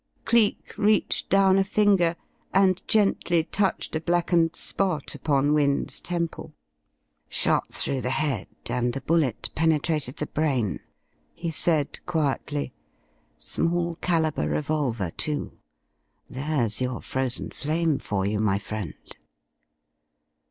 Cleek reached down a finger and gently touched a blackened spot upon Wynne's temple. "Shot through the head, and the bullet penetrated the brain," he said, quietly. "Small calibre revolver, too. There's your Frozen Flame for you, my friend!"